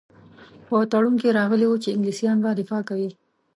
په تړون کې راغلي وو چې انګلیسیان به دفاع کوي.